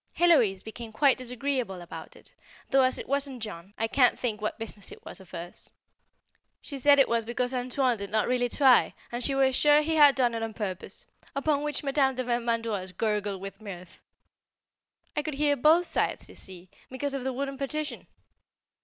Héloise became quite disagreeable about it, though as it wasn't Jean I can't think what business it was of hers. She said it was because "Antoine" did not really try, and she was sure he had done it on purpose, upon which Madame de Vermandoise gurgled with mirth. I could hear both sides you see, because of the wooden partition.